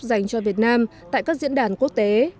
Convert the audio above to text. dành cho việt nam tại các diễn đàn quốc tế